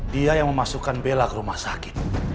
dia yang memasukkan bela ke rumah sakit